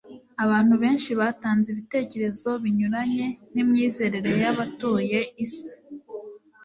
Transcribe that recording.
Abantu benshi batanze ibitekerezo binyuranye n'imyizerere y'abatuye isi,